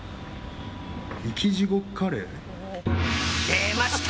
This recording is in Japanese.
出ました！